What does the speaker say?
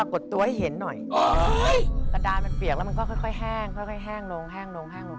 กระดานมันเปียกแล้วมันก็ค่อยแห้งลง